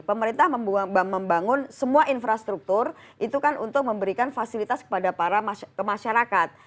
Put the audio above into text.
pemerintah membangun semua infrastruktur itu kan untuk memberikan fasilitas kepada para masyarakat